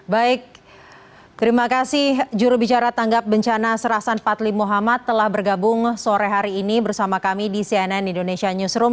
baik terima kasih jurubicara tanggap bencana serasan patlim muhammad telah bergabung sore hari ini bersama kami di cnn indonesia newsroom